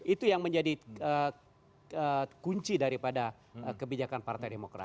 itu yang menjadi kunci daripada kebijakan partai demokrat